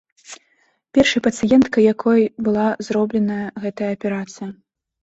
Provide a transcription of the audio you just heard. Першай пацыенткай, якой была зробленая гэтая аперацыя.